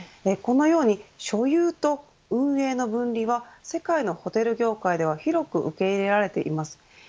このように所有と運営の分離は世界のホテル業界では広く受け入れられています。